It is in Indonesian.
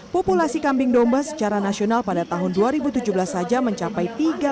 populasi kambing domba secara nasional pada tahun dua ribu tujuh belas saja mencapai tiga